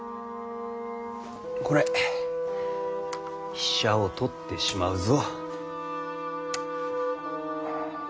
ほれ飛車を取ってしまうぞ。